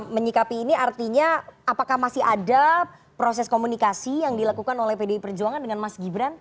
menyikapi ini artinya apakah masih ada proses komunikasi yang dilakukan oleh pdi perjuangan dengan mas gibran